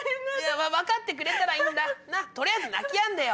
分かってくれたらいいんだ取りあえず泣きやんでよ。